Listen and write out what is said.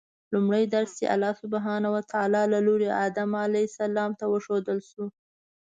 لومړی درس چې الله سبحانه وتعالی له لوري آدم علیه السلام ته وښودل شو